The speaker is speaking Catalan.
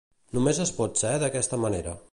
Només es pot ser d'aquesta manera.